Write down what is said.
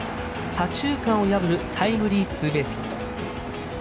左中間を破るタイムリーツーベースヒット。